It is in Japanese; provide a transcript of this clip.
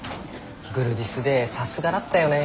グルディスでさすがだったよねって。ね。